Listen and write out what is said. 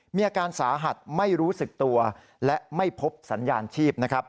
มีอาการสาหัสไม่รู้สึกตัวและไม่พบสัญญาณชีพนะครับ